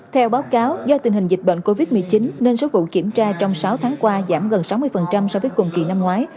theo báo cáo do tình hình dịch bệnh covid một mươi chín nên số vụ kiểm tra trong sáu tháng qua giảm gần sáu mươi so với cùng kỳ năm ngoái